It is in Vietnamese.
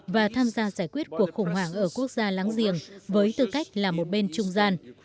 và tham gia giải quyết cuộc khủng hoảng ở quốc gia láng giềng với tư cách là một bên trung gian